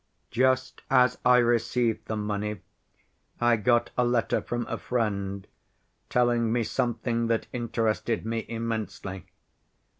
"Just as I received the money, I got a letter from a friend telling me something that interested me immensely.